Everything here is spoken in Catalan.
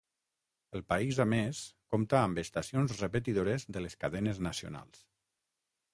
El país a més compta amb estacions repetidores de les cadenes nacionals.